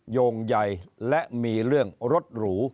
โยงใหญ่และมีเรื่องรถหรู